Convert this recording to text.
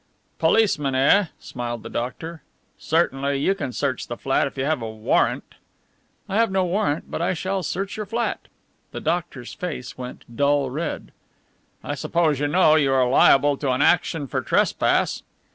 "Policeman, eh?" smiled the doctor. "Certainly you can search the flat if you have a warrant." "I have no warrant, but I shall search your flat." The doctor's face went dull red. "I suppose you know you are liable to an action for trespass?"